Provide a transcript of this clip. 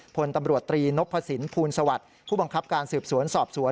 พตอตรีนกพฤษินพูลสวรรค์ผู้บังคับการสืบสวนสอบสวน